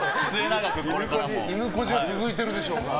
いぬこじは続いているでしょうから。